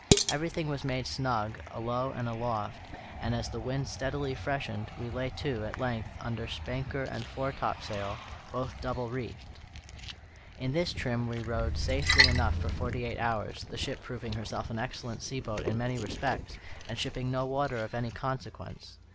Everything was made snug, alow and aloft; and, as the wind steadily freshened, we lay to, at length, under spanker and foretopsail, both double reefed. In this trim we rode safely enough for forty eight hours, the ship proving herself an excellent sea boat in many respects, and shipping no water of any consequence.